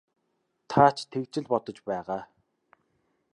Та ч тэгж л бодож байгаа.